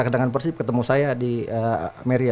kedangan persib ketemu saya di